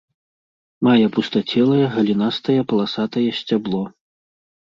Мае пустацелае галінастае паласатае сцябло.